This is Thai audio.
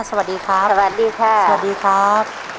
สวัสดีครับสวัสดีค่ะ